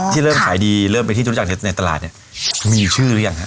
ที่เริ่มขายดีเริ่มเป็นที่จุดอาจารย์ในตลาดเนี้ยมีชื่อหรือยังฮะ